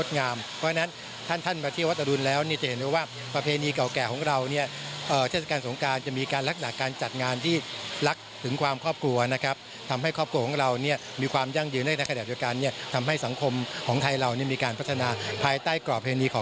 ส่วนในช่วงบ่ายที่วัดอรุณราชวรรษนาวรกำมาที